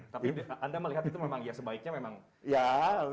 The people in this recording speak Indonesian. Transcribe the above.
tapi anda melihat itu memang ya sebaiknya memang ya